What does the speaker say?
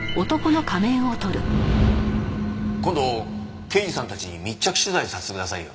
今度刑事さんたちに密着取材させてくださいよ。